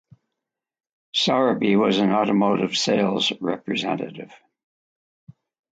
Sowerby was an automotive sales representative.